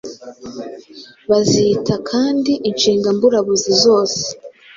Bazita kandi inshinga mburabuzi zose.